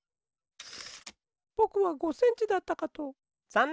ぼくは５センチだったかと。